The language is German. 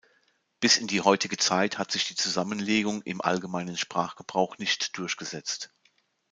Bis in die heutige Zeit hat sich die Zusammenlegung im allgemeinen Sprachgebrauch nicht durchgesetzt.